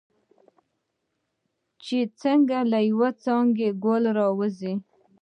چې څنګه له یوې څانګې ګل راوځي.